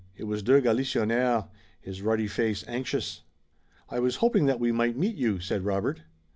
It was de Galisonnière, his ruddy face anxious. "I was hoping that we might meet you," said Robert.